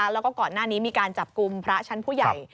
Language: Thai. แล้วก็ก่อนหน้านี้มีการจับกลุ่มพระชั้นผู้ใหญ่